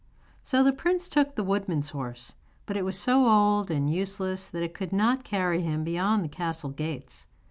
So the prince took the woodman's horse, but it was so old and useless that it could not carry him beyond the castle gates.